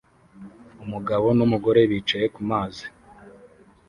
Umugabo numugore bicaye kumazi